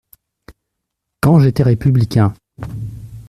… quand j'étais républicain !